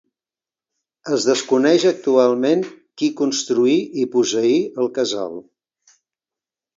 Es desconeix actualment qui construí i posseí el casal.